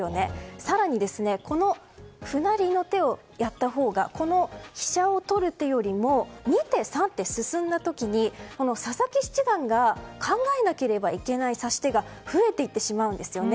更には、歩成の手をやったほうが飛車を取る手よりも２手３手進んだ時に佐々木七段が考えなければいけない指し手が増えて行ってしまうんですね。